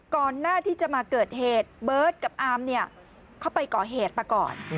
ก่อนหน้าที่จะมาเกิดเหตุเบิร์ตกับอามเนี่ยเขาไปก่อเหตุมาก่อน